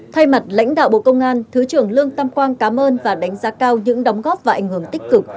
thay mặt lãnh đạo bộ công an thứ trưởng lương tam quang cám ơn và đánh giá cao những đóng góp và ảnh hưởng tích cực